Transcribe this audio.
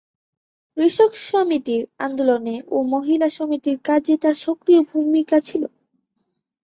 কৃষক সমিতির আন্দোলনে ও মহিলা সমিতির কাজে তার সক্রিয় ভূমিকা ছিলো।